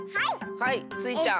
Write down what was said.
はいスイちゃん。